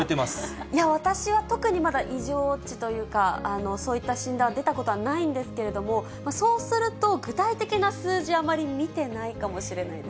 いや、私は特にまだ異常値というか、そういった診断は出たことはないんですけれども、そうすると、具体的な数字をあまり見てないかもしれないです。